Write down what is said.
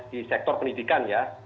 di sektor pendidikan ya